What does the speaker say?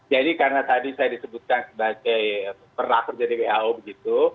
jadi karena tadi saya disebutkan sebagai pernah terjadi who begitu